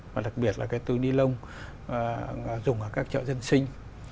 và đặc biệt là cái túi ni lông dùng ở các chợ dân sinh